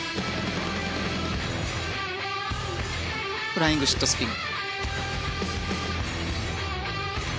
フライングシットスピン。